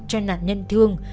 cho nạn nhân thương